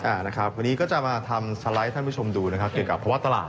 วันนี้ก็จะมาทำสไลด์ท่านผู้ชมดูเกี่ยวกับวาวตลาด